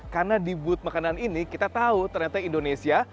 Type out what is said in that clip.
karena di booth makanan ini kita tahu ternyata indonesia